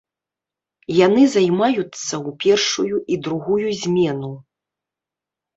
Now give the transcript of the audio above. Яны займаюцца ў першую і другую змену.